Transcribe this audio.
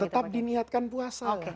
tetap diniatkan puasa